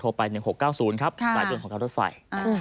โทรไป๑๖๙๐ครับสายต้นของการรถไฟ